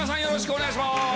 よろしくお願いします。